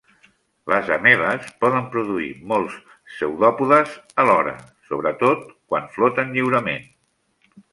Les amebes poden produir molts pseudòpodes alhora, sobretot quan floten lliurement.